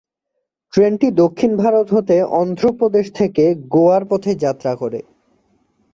ট্রেনটি দক্ষিণ ভারত হতে অন্ধ্র প্রদেশ থেকে গোয়ার পথে যাত্রা করে।